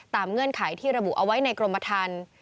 เงื่อนไขที่ระบุเอาไว้ในกรมทัน